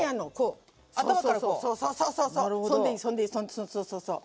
そうそうそうそう。